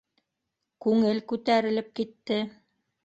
Күңел күтәрелеп китте.